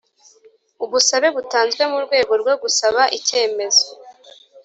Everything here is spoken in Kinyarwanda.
Ubusabe butanzwe mu rwego rwo gusaba icyemezo